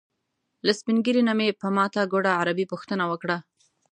له سپین ږیري نه مې په ماته ګوډه عربي پوښتنه وکړه.